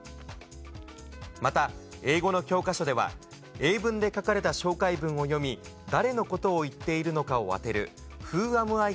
また、英語の教科書では、英文で書かれた紹介文を読み、誰のことを言っているのかを当てる、フーアムアイ？